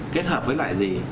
kết hợp với loại gì